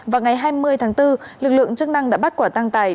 vào ngày hai mươi tháng bốn lực lượng chức năng đã bắt quả tăng tài